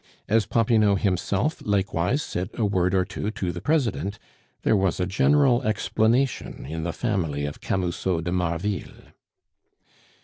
As Popinot himself likewise said a word or two to the President, there was a general explanation in the family of Camusot de Marville.